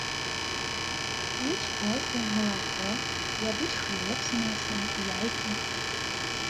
П'юць кофе, малако, ядуць хлеб з маслам, яйкі.